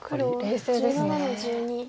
冷静ですね。